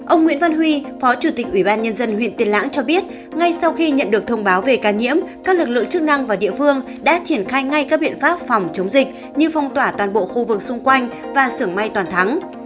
ông nguyễn văn huy phó chủ tịch ủy ban nhân dân huyện tiền lãng cho biết ngay sau khi nhận được thông báo về ca nhiễm các lực lượng chức năng và địa phương đã triển khai ngay các biện pháp phòng chống dịch như phong tỏa toàn bộ khu vực xung quanh và sưởng may toàn thắng